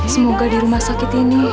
semoga di rumah sakit ini